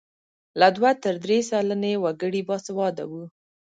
له دوه تر درې سلنې وګړي باسواده وو.